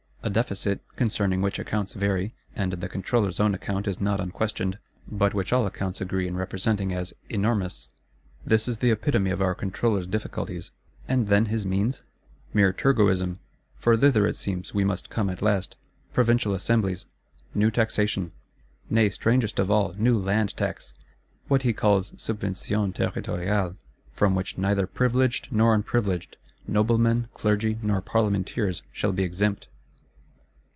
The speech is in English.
A Deficit, concerning which accounts vary, and the Controller's own account is not unquestioned; but which all accounts agree in representing as "enormous." This is the epitome of our Controller's difficulties: and then his means? Mere Turgotism; for thither, it seems, we must come at last: Provincial Assemblies; new Taxation; nay, strangest of all, new Land tax, what he calls Subvention Territoriale, from which neither Privileged nor Unprivileged, Noblemen, Clergy, nor Parlementeers, shall be exempt!